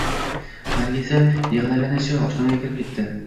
Nargiza yig`lagancha oshxonaga kirib ketdi